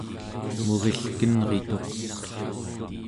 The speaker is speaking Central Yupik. murilkenrituq